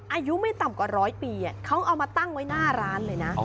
อายุไม่ต่ำกว่าร้อยปีเขาเอามาตั้งไว้หน้าร้านเลยนะ